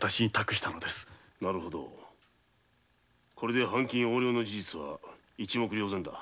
なるほどこれで藩金横領の事実は一目りょう然だ。